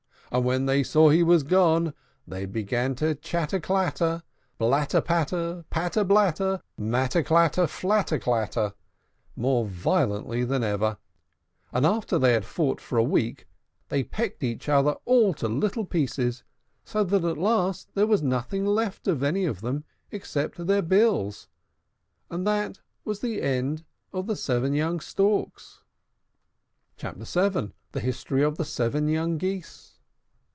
And when they saw that he was gone, they began to chatter clatter, blatter platter, patter blatter, matter clatter, flatter quatter, more violently than ever; and after they had fought for a week, they pecked each other all to little pieces, so that at last nothing was left of any of them except their bills. And that was the end of the seven young Storks. CHAPTER VII. THE HISTORY OF THE SEVEN YOUNG GEESE.